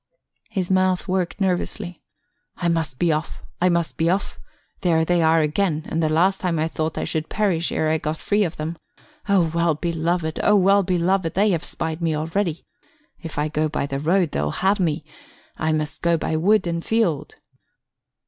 His mouth worked nervously. "I must be off, I must be off. There they are again, and the last time I thought I should perish ere I got free of them. O well beloved, O well beloved! they have spied me already. If I go by the road, they'll have me; I must go by wood and field."